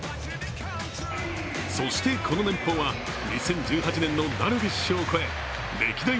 そしてこの年俸は、２０１８年のダルビッシュを超え歴代